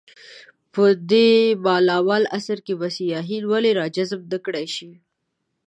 په دې مالامال عصر کې به سیاحین ولې راجذب نه کړای شي.